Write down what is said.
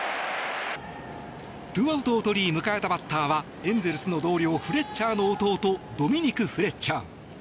２アウトを取り迎えたバッターはエンゼルスの同僚フレッチャーの弟ドミニク・フレッチャー。